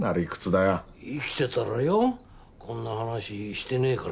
生きてたらよこんな話してねえから。